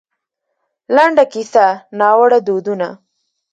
لـنـډه کيـسـه :نـاوړه دودونـه